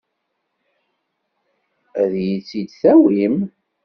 Ad iyi-t-id-tawim?